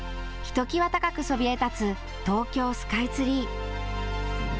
ひときわ高くそびえ立つ東京スカイツリー。